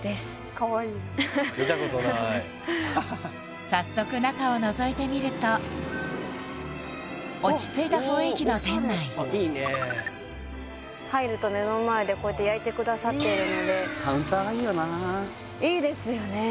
かわいい見たことない早速中をのぞいてみると落ち着いた雰囲気の店内いいね入ると目の前でこうやって焼いてくださってるのでカウンターがいいよないいですよね